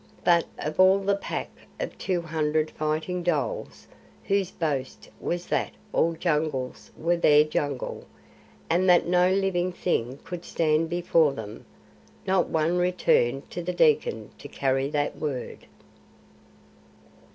But of all the Pack of two hundred fighting dholes, whose boast was that all jungles were their Jungle, and that no living thing could stand before them, not one returned to the Dekkan to carry that word.